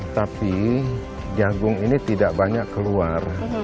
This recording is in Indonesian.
tapi jagung ini tidak banyak keluar